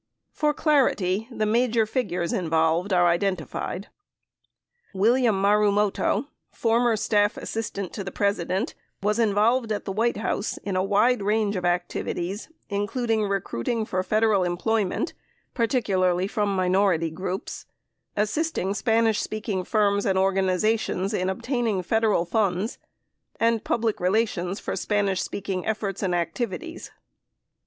For clarity, the major figures involved are identified : William Marumoto, former Staff Assistant to the President, was involved at the White House in a wide range of activities, including recruiting for Federal employment (particularly from minority groups) , assisting Spanish speaking firms and organizations in obtain ing Federal funds, and public relations for Spanish speaking efforts and activities.